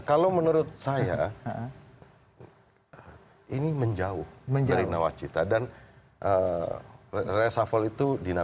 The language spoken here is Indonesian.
kalau menurut saya ini menjauh dari nawacita